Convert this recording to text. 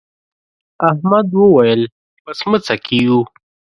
احمد وويل: په سمڅه کې یو.